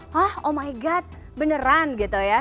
hah oh my god beneran gitu ya